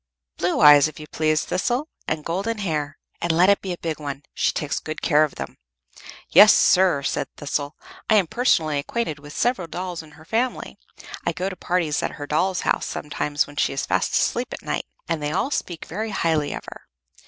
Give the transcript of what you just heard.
"Blue eyes, if you please, Thistle, and golden hair. And let it be a big one. She takes good care of them." "Yes, sir," said Thistle; "I am personally acquainted with several dolls in her family. I go to parties in her dolls' house sometimes when she is fast asleep at night, and they all speak very highly of her.